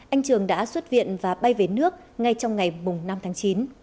anh trường đã xuất viện và bay về nước ngay trong ngày năm tháng chín